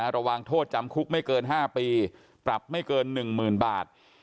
ระวังโทษจำคุกไม่เกิน๕ปีปรับไม่เกิน๑๐๐๐บาท